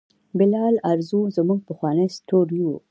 بلال ارزو زموږ پخوانی ستوری و.